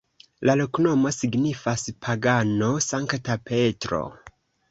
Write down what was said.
La loknomo signifas: pagano-Sankta Petro.